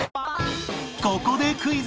ここでクイズ